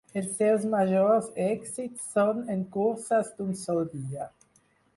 Els seus majors èxits són en curses d'un sol dia.